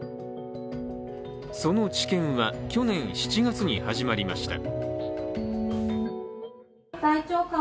その治験は去年７月に始まりました。